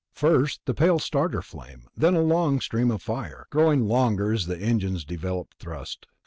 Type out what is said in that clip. First the pale starter flame, then a long stream of fire, growing longer as the engines developed thrust.